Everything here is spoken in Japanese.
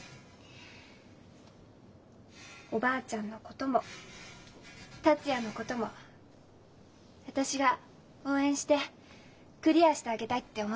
おばあちゃんのことも達也のことも私が応援してクリアしてあげたいって思ってるんです。